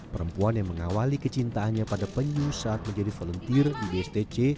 perempuan yang mengawali kecintaannya pada penyu saat menjadi volunteer di bstc